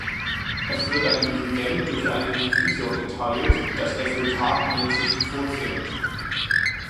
Es wird ein Dividend durch einen Divisor geteilt, das Resultat nennt sich Quotient.